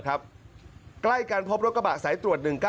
ใกล้กันพบรถกระบะสายตรวจ๑๙๑